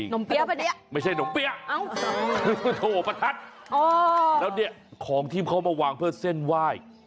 นมเปี๊ยะปะเดี๊ยะโถปะทัดแล้วนี่ของที่เขามาวางเพื่อเส้นไหว้